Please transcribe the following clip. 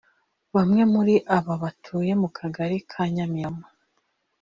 Bamwe muri aba batuye mu kagari ka Nyamirama